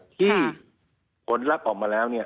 ที่ผลลักษณ์ออกมาแล้ว